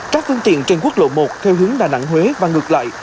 các phương tiện trên quốc lộ một theo hướng đà nẵng huế và ngược lại